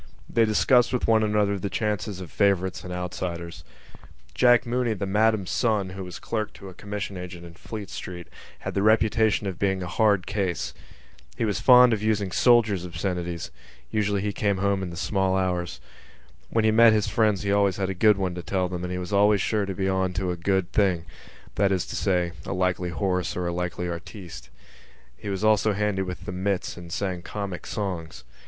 They discussed with one another the chances of favourites and outsiders. Jack Mooney, the Madam's son, who was clerk to a commission agent in Fleet Street, had the reputation of being a hard case. He was fond of using soldiers' obscenities: usually he came home in the small hours. When he met his friends he had always a good one to tell them and he was always sure to be on to a good thing—that is to say, a likely horse or a likely artiste. He was also handy with the mits and sang comic songs.